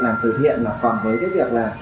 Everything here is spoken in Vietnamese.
làm từ thiện mà còn với cái việc là